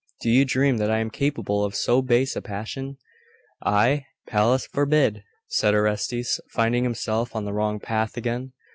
Do you dream that I am capable of so base a passion?' 'I? Pallas forbid!' said Orestes, finding himself on the wrong path again.